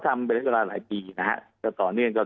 ก็จะเป็นโชคดีที่เราเข้าจังกันจากกลุ่มใดนะครับ